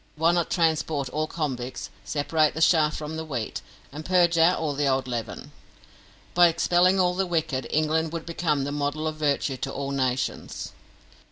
Why not transport all convicts, separate the chaff from the wheat, and purge out the old leaven? By expelling all the wicked, England would become the model of virtue to all nations.